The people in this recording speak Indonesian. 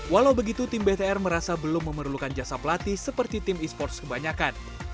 walau begitu tim btr merasa belum memerlukan jasa pelatih seperti tim e sports kebanyakan